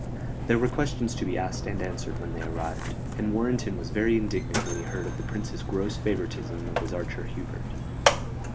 There were questions to be asked and answered when they arrived; and Warrenton was very indignant when he heard of the Prince's gross favoritism of his archer Hubert.